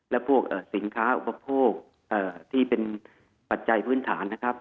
และพวกสินค้าอุปโภคที่เป็นปัจจัยพื้นฐานนะครับ